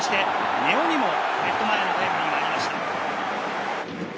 根尾にもレフト前のタイムリーがありました。